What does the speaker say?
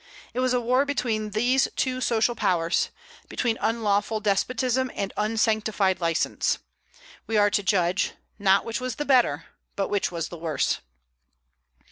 It was a war between these two social powers, between unlawful despotism and unsanctified license. We are to judge, not which was the better, but which was the worse.